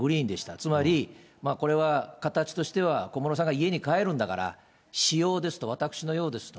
つまりこれは形としては小室さんが家に帰るんだから、私用ですと、私の用ですと。